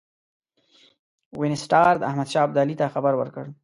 وینسیټار احمدشاه ابدالي ته خبر ورکړ.